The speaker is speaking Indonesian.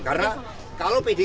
karena kalau pdi perjuangan